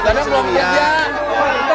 karena belum kerja